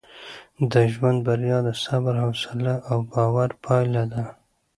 د ژوند بریا د صبر، حوصله او باور پایله ده.